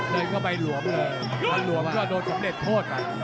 เดินเข้าไปหลวมเลยบอลหลวมก็โดนสำเร็จโทษ